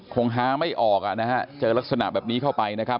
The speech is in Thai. คงหาไม่ออกเจอลักษณะแบบนี้เข้าไป